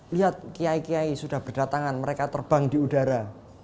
lihat kiai kiai sudah berdatangan mereka terbang di udara